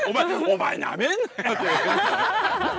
「お前なめんなよ！」。